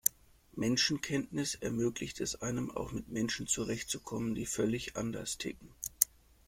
Menschenkenntnis ermöglicht es einem, auch mit Menschen zurechtzukommen, die völlig anders ticken.